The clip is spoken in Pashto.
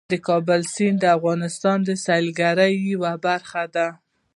د کابل سیند د افغانستان د سیلګرۍ یوه برخه ده.